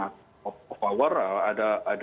maka kalau memang benar terjadi abuse of power